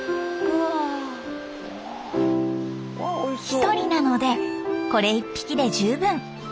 １人なのでこれ１匹で十分。